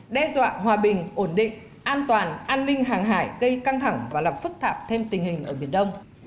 đe dọa hòa bình ổn định an toàn an ninh hàng hải gây căng thẳng và làm phức tạp thêm tình hình ở biển đông